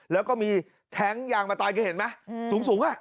แล้วก็มีแท้งยางมาตายเคยเห็นไหมสูงอ่ะ